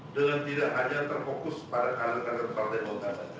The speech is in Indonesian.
dengan tidak hanya terfokus pada adegan aden partai bantuan saja